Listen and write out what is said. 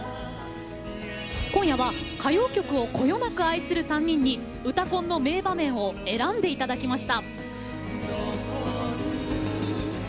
今夜は歌謡曲をこよなく愛する３人に「うたコン」の名場面を選んでいただきました。